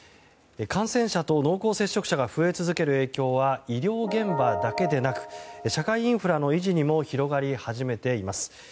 感染者と濃厚接触者が増え続ける影響は医療現場だけでなく社会インフラの維持にも広がり始めています。